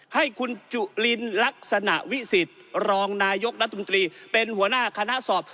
ให้คุณจุลินลักษณะวิสิทธิ์รองนายกรัฐมนตรีเป็นหัวหน้าคณะสอบ